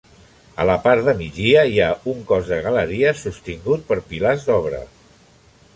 A la part de migdia hi ha un cos de galeries sostingut per pilars d'obra.